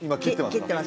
切ってます